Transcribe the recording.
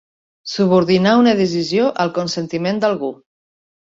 Subordinar una decisió al consentiment d'algú.